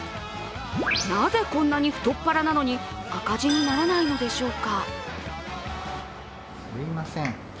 なぜこんなに太っ腹なのに赤字にならないのでしょうか？